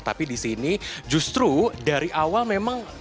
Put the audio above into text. tapi di sini justru dari awal memang